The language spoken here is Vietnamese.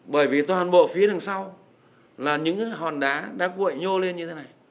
bởi vì toàn bộ phía đằng sau là những hòn đá đã cuội nhô lên như thế này